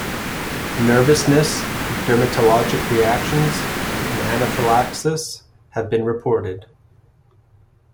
Nervousness, dermatologic reactions, and anaphylaxis have been reported.